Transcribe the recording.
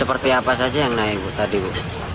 seperti apa saja yang naik bu tadi bu